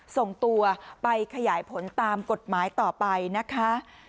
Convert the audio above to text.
ส่งตัวไปขยายผลตามกฎหมายต่อไปนะคะ